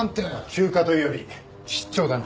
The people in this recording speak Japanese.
休暇というより出張だな。